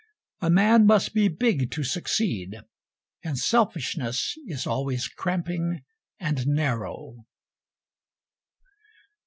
A man must be big to succeed, and selfishness is always cramping and narrow.